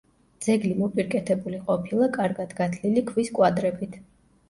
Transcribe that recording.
ძეგლი მოპირკეთებული ყოფილა კარგად გათლილი ქვის კვადრებით.